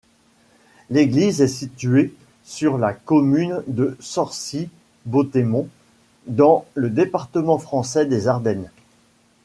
L'église est située sur la commune de Sorcy-Bauthémont, dans le département français des Ardennes.